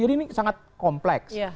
jadi ini sangat kompleks